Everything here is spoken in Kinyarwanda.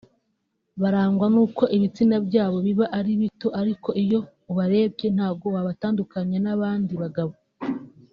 barangwa n’uko ibitsina byabo biba ari bito ariko iyo ubarebye ntago wabatandukanya n’abandi bagabo